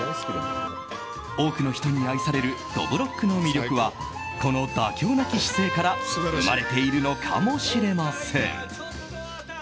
多くの人に愛されるどぶろっくの魅力はこの妥協なき姿勢から生まれているのかもしれません。